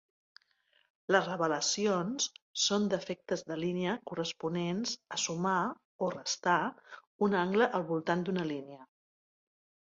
Les revelacions són defectes de línia corresponents a "sumar" o "restar" un angle al voltant d'una línia.